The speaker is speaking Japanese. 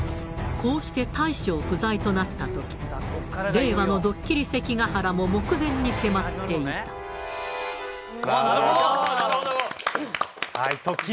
こうして大将不在となった時令和のドッキリ関ヶ原も目前に迫っていた。